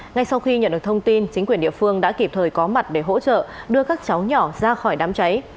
ngay sau khi nhận được thông tin chính quyền địa phương đã kịp thời có mặt để hỗ trợ đưa các cháu nhỏ ra khỏi đám cháy